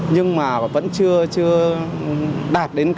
nhưng mà vẫn chưa đạt đến